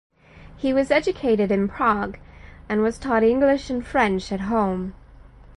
He was educated in Prague and was taught English and French at home.